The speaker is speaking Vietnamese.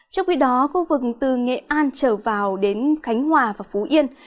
trong khi đó khu vực từ nghệ an trở vào đến khánh hòa và phú yên